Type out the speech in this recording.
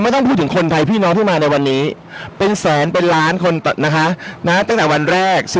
ถึงคนไทยนะ